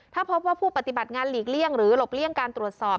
ถ้าพบว่าผู้ปฏิบัติงานหลีกเลี่ยงหรือหลบเลี่ยงการตรวจสอบ